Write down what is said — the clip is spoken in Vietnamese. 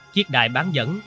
chiếc đài bán dẫn